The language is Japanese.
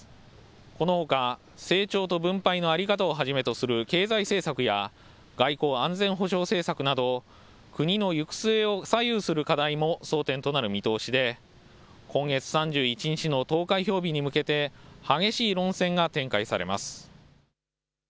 このほか成長と分配の在り方をはじめとする経済政策や外交安全保障政策などを国の行く末を左右する課題も争点となる見通しで今月３１日の投開票日に向けて激しい論戦が展開されます。